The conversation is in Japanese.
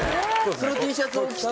そのＴシャツを着て？